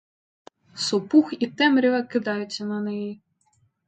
Сопух і темрява кидаються на неї.